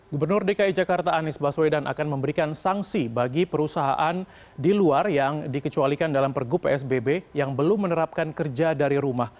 gubernur dki jakarta anies baswedan akan memberikan sanksi bagi perusahaan di luar yang dikecualikan dalam pergub psbb yang belum menerapkan kerja dari rumah